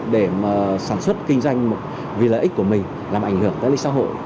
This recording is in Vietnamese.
để mà sản xuất kinh doanh vì lợi ích của mình làm ảnh hưởng tới lịch sáu hội